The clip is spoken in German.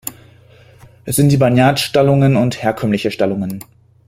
Es sind die Barn-Yard-Stallungen und herkömmliche Stallungen.